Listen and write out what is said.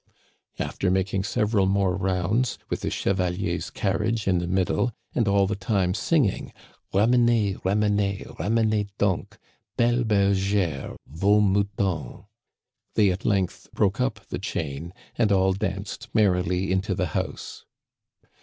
" After making several moie rounds, with the cheva lier's carriage in the middle, and all the time singing :" Ramenez, ramenez, ramenez donc, Belle bergère, vos moutons." They at length broke up the chain, and all danced mer rily into the house.